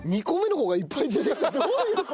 ２個目の方がいっぱい出た。